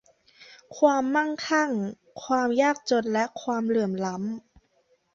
ความมั่งคั่ง ความยากจนและความเหลื่อมล้ำ